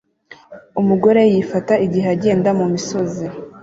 Umugore yifata igihe agenda mu misozi